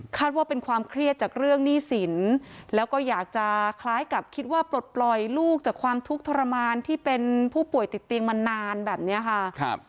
ว่าเป็นความเครียดจากเรื่องหนี้สินแล้วก็อยากจะคล้ายกับคิดว่าปลดปล่อยลูกจากความทุกข์ทรมานที่เป็นผู้ป่วยติดเตียงมานานแบบนี้ค่ะ